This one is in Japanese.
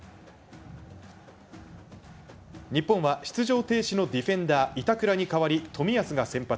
日本は出場停止のディフェンダー板倉に代わり冨安が先発。